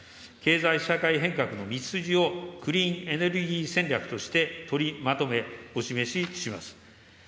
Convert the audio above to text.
経済社会変革の道筋をクリーンエネルギー戦略として取りまとめ、お示しします。